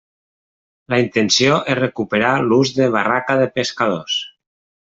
La intenció és recuperar l'ús de barraca de pescadors.